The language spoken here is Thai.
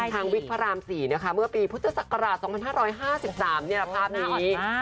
ทางวิทย์พระราม๔เมื่อปีพุทธศักราช๒๕๕๓ภาพนี้